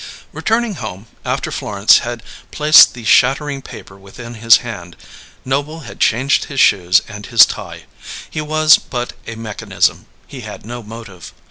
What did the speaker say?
Returning home, after Florence had placed the shattering paper within his hand, Noble had changed his shoes and his tie. He was but a mechanism; he had no motive.